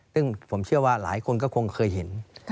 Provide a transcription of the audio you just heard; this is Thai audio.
ซึ่งผมเชื่อว่าหลายคนก็คงเคยเห็น